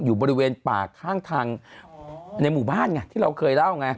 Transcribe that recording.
อยู่บริเวณป่าข้างทางในหมู่บ้านไงที่เราเคยเล่าไง